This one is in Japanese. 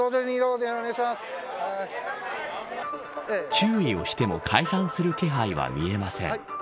注意をしても解散する気配が見えません。